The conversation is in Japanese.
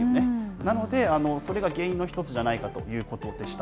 なので、それが原因の１つじゃないかということでした。